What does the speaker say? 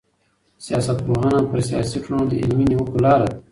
سياستپوهنه پر سياسي کړنو د علمي نيوکو لاره ده.